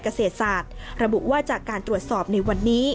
เกษตรศาสตร์ระบุว่าจากการตรวจสอบในวันนี้